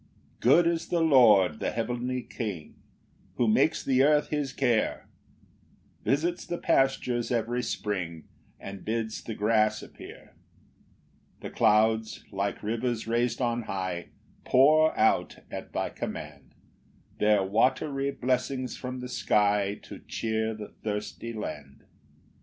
1 Good is the Lord, the heavenly King, Who makes the earth his care, Visits the pastures every spring, And bids the grass appear. 2 The clouds, like rivers rais'd on high, Pour out, at thy command, Their watery blessings from the sky, To cheer the thirsty land.